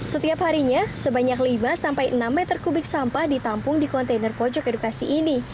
setiap harinya sebanyak lima sampai enam meter kubik sampah ditampung di kontainer pojok edukasi ini